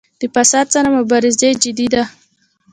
د فساد سره مبارزه جدي ده؟